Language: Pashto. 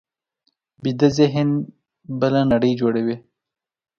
ویده ذهن بله نړۍ جوړوي